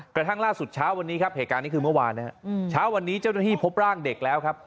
กระทั่งล่าสุดเช้าวันนี้ครับเหตุการณ์นี้คือเมื่อวานนะครับเช้าวันนี้เจ้าหน้าที่พบร่างเด็กแล้วครับ